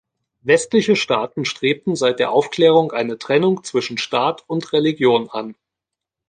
Westliche Staaten strebten seit der Aufklärung eine Trennung zwischen Staat und Religion an.